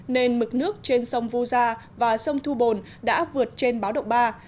nên mực nước trên sông vu gia và sông thu bồn đã vượt trên báo động ba